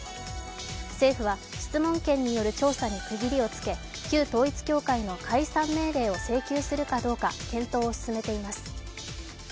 政府は質問権による調査に区切りをつけ、旧統一教会の解散命令を請求するかどうか、検討を進めています。